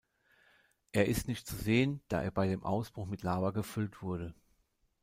Er ist nicht zu sehen, da er bei dem Ausbruch mit Lava gefüllt wurde.